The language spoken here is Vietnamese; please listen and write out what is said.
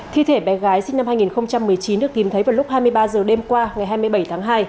thi thể bé gái sinh năm hai nghìn một mươi chín được tìm thấy vào lúc hai mươi ba h đêm qua ngày hai mươi bảy tháng hai